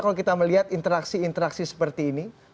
kalau kita melihat interaksi interaksi seperti ini